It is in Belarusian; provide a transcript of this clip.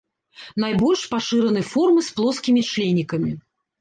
Найбольш пашыраны формы з плоскімі членікамі.